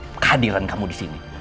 dia gak butuh kehadiran kamu di sini